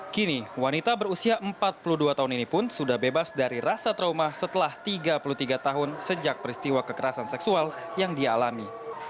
kini wanita berusia empat puluh dua tahun ini pun sudah bebas dari rasa trauma setelah tiga puluh tiga tahun sejak peristiwa kekerasan seksual yang dialami